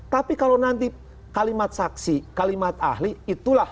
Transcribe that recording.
tapi kalau nanti kalimat saksi kalimat ahli itulah